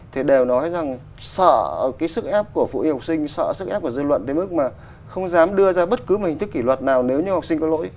thì đều nói rằng sợ cái sức ép của phụ huynh học sinh sợ sức ép của dư luận đến mức mà không dám đưa ra bất cứ một hình thức kỷ luật nào nếu như học sinh có lỗi